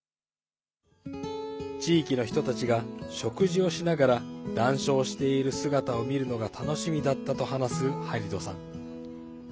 地域の人たちが食事をしながら談笑している姿を見るのが楽しみだったと話すハリドさん。